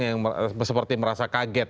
yang seperti merasa kaget